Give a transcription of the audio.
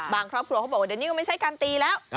ครอบครัวเขาบอกว่าเดี๋ยวนี้ก็ไม่ใช่การตีแล้ว